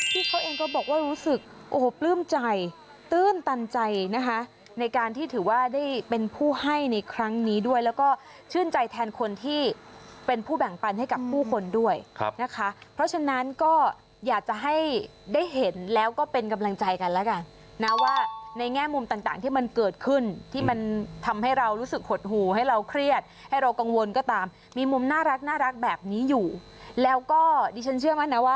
ที่เขาเองก็บอกว่ารู้สึกโอ้โหปลื้มใจตื้นตันใจนะคะในการที่ถือว่าได้เป็นผู้ให้ในครั้งนี้ด้วยแล้วก็ชื่นใจแทนคนที่เป็นผู้แบ่งปันให้กับผู้คนด้วยนะคะเพราะฉะนั้นก็อยากจะให้ได้เห็นแล้วก็เป็นกำลังใจกันแล้วกันนะว่าในแง่มุมต่างที่มันเกิดขึ้นที่มันทำให้เรารู้สึกหดหูให้เราเครียดให้เรากังวลก็ตามมีมุมน่ารักแบบนี้อยู่แล้วก็ดิฉันเชื่อมั่นนะว่า